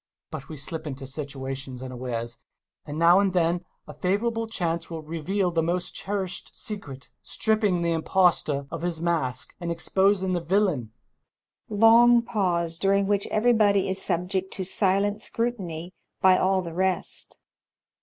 But we slip into situations unawares, and now and then a favourable chance will reveal the most cherished scENEH THE SPOOK SONATA 133 secret, stripping the impostor of his mask, and exposing the villain Long pause during which everybody is subject to sHeni scrutiny by aU the rest HxTMMEL.